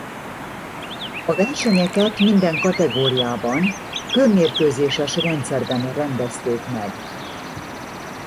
A versenyeket minden kategóriában körmérkőzéses rendszerben rendezték meg.